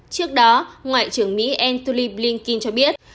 trước đó ngoại trưởng mỹ anthony blinken cho biết